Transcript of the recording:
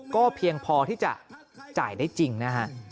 ก็เพียงพอที่จะจ่ายได้จริงนะฮะ